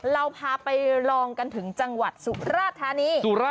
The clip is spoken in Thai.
เราพาไปลองกันถึงจังหวัดสุราธานี